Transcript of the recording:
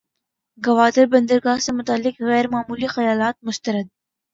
گوادر بندرگاہ سے متعلق غیر معمولی خیالات مسترد